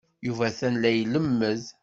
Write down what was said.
Yuba atan la ilemmed.